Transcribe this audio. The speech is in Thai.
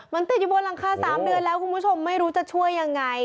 มันติดอยู่บนหลังคา๓เดือนแล้วคุณผู้ชมไม่รู้จะช่วยยังไง